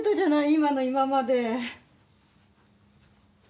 今の今まで。